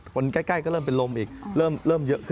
คนใกล้ก็เริ่มเป็นลมอีก